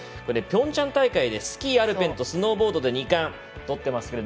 ピョンチャン大会でスキーアルペンとスノーボードで２冠取っています。